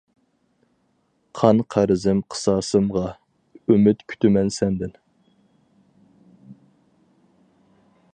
قان قەرزىم قىساسىمغا، ئۈمىد كۈتىمەن سەندىن.